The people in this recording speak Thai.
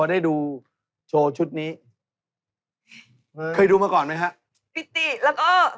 อ่าอ่าอ่า